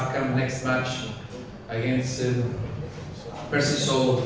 datang ke pertandingan berhadapan dengan persisol